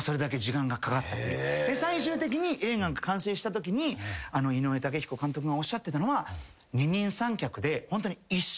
最終的に映画が完成したときに井上雄彦監督がおっしゃってたのは。